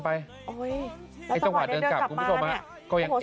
พี่ณออห์วารดีหายจากนั่ง